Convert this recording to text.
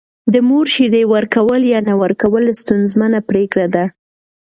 د مور شیدې ورکول یا نه ورکول ستونزمنه پرېکړه ده.